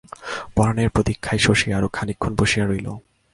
পরানের প্রতীক্ষায় শশী আরও খানিকক্ষণ বসিয়া রহিল।